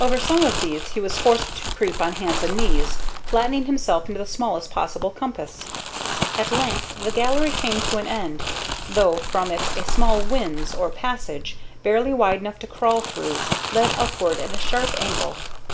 Over some of these he was forced to creep on hands and knees, flattening himself into the smallest possible compass. At length the gallery came to an end, though from it a small "winze," or passage, barely wide enough to crawl through, led upward at a sharp angle.